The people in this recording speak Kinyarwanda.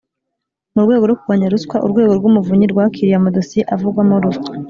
Mu rwego rwo kurwanya ruswa Urwego rw Umuvunyi rwakiriye amadosiye avugwamo ruswa